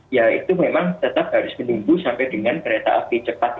ya itu memang tetap harus menunggu sampai dengan kereta api cepat